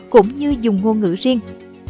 cũng như dùng ngôn ngữ riêng